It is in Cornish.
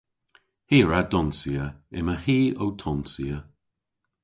Hi a wra donsya. Yma hi ow tonsya.